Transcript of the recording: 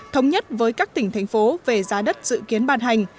thống nhất với các tỉnh thành phố về giá đất dự kiến ban hành